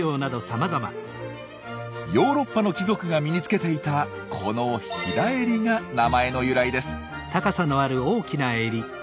ヨーロッパの貴族が身に着けていたこの「ひだえり」が名前の由来です。